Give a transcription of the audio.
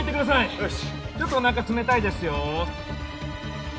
よしちょっとおなか冷たいですよ